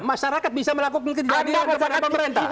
masyarakat bisa melakukan kejadian kepada pemerintah